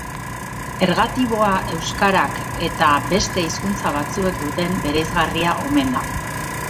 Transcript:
Ergatiboa euskarak eta beste hizkuntza batzuek duten bereizgarria omen da.